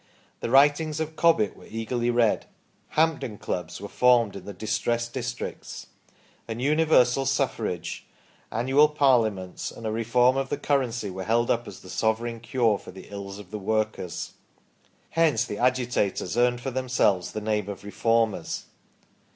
The writings of Cobbett were eagerly read ; Hampden clubs were formed in the distressed dis tricts ; and Universal Suffrage, Annual Parliaments, and a Reform of the Currency were heid_ up asjhe sovereign cure torjhe ills of the workers. "Hence the agitators earned for themselves the name of " Reformers".